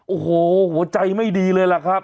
โอ้โหใจไม่ดีเลยแหละครับ